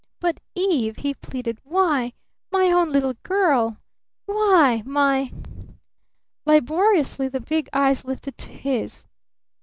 "But Eve?" he pleaded. "Why, my own little girl. Why, my " Laboriously the big eyes lifted to his.